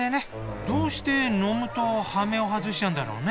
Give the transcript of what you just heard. どうして飲むとハメを外しちゃうんだろうね？